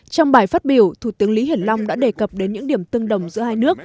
trong bài phát biểu thủ tướng lý hiển long đã đề cập đến những điểm tương đồng giữa hai nước